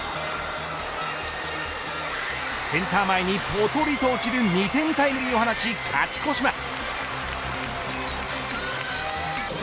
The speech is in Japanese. センター前にぽとりと落ちる２点タイムリーを放ち勝ち越します。